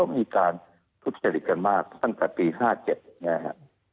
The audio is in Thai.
มีการทุกเศรษฐการณ์มากตั้งแต่ปี๕๗นี่แหละครับ